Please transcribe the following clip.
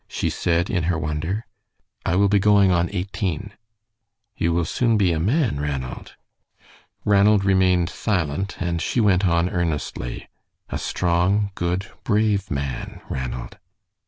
she said, in her wonder. "I will be going on eighteen." "You will soon be a man, Ranald." Ranald remained silent, and she went on earnestly: "A strong, good, brave man, Ranald."